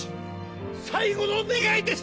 最後の願いです！